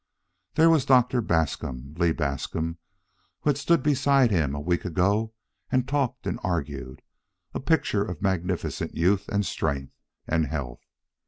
There was Doctor Bascom, Lee Bascom who had stood beside him a week ago and talked and argued, a picture of magnificent youth, and strength, and health.